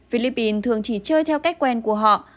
philippines thường chỉ chơi theo cách quen của họ